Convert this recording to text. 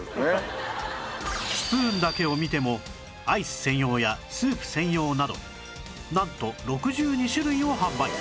スプーンだけを見てもアイス専用やスープ専用などなんと６２種類を販売